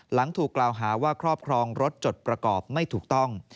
หลังถูกกล่าวหาว่าครอบครองรถจดประกอบไม่ถูกต้อง